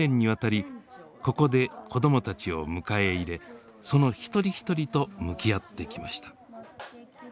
ここで子どもたちを迎え入れその一人一人と向き合ってきました。